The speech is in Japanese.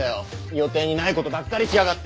予定にないことばっかりしやがって！